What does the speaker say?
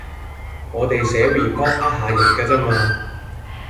我哋寫 Report 呃下人㗎咋嘛